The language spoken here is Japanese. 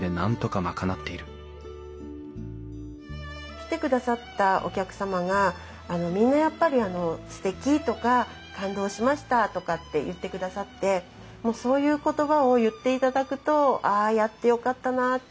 来てくださったお客様がみんなやっぱりすてきとか感動しましたとかって言ってくださってそういう言葉を言っていただくとああやってよかったなって